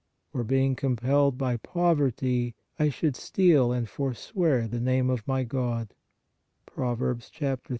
or, being compelled by poverty, I should steal and fore swear the name of my God " (Prov.